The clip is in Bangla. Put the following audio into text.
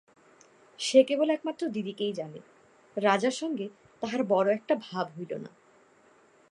সে কেবল একমাত্র দিদিকেই জানে, রাজার সঙ্গে তাহার বড়ো-একটা ভাব হইল না।